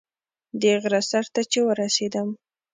د غره سر ته چې ورسېدم.